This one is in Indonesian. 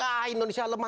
ah indonesia lemah